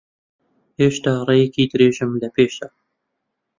هێشتا ڕێیەکی درێژم لەپێشە.